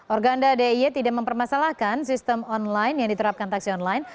organda diy tidak mempermasalahkan sistem online yang diterapkan taksi online